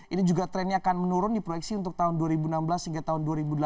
ini juga trennya akan menurun di proyeksi untuk tahun dua ribu enam belas hingga tahun dua ribu delapan belas